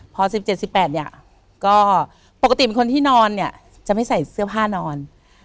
พอ๑๗๑๘เนี่ยก็ปกติเป็นคนที่นอนเนี่ยจะไม่ใส่เสื้อผ้านอน